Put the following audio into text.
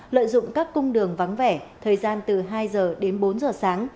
lợi dụng các cung đường vắng vẻ thời gian từ hai giờ đến bốn giờ sáng